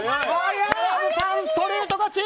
小籔さん、ストレート勝ち！